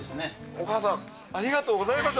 お母さん、ありがとうございました。